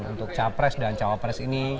untuk capres dan cawapres ini